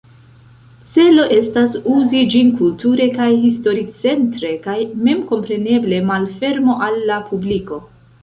Celo estas uzi ĝin kulture kaj historicentre kaj memkompreneble malfermo al la publiko.